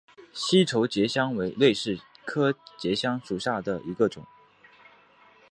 西畴结香为瑞香科结香属下的一个种。